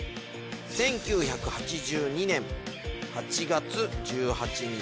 １９８２年８月１８日。